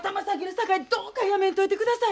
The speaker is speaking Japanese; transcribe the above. さかいどうかやめんといてください。